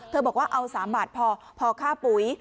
เขาบอกว่าเอาสามบาทพอพอค่าปุ๋ย